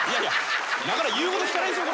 なかなか言うこと聞かないんですよ